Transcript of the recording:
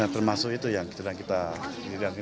ya termasuk itu yang sedang kita komunikasi